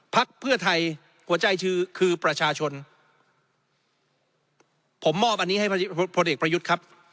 พักเพื่อไทยหัวใจคือคือประชาชนผมมอบอันนี้ให้พลเอกประยุทธ์ครับ